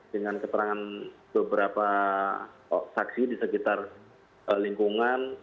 dengan keterangan beberapa saksi di sekitar lingkungan